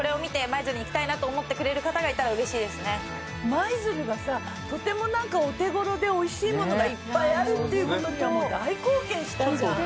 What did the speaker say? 舞鶴がさとても何かお手ごろでおいしいものがいっぱいあるっていうことには大貢献したじゃん。